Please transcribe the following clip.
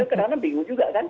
kadang kadang bingung juga kan